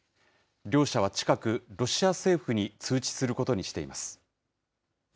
両社は近く、ロシア政府に通知することにしています。